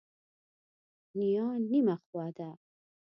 نیا نیمه خوا ده.